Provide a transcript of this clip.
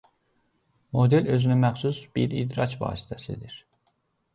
Model özünəməxsus bir idrak vasitəsidir.